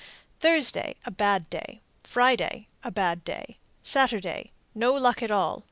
Thursday a bad day. Friday a bad day. Saturday no luck at all.